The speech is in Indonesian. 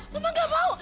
mama gak mau